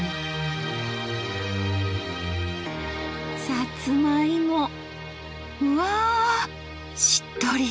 さつまいもうわしっとり！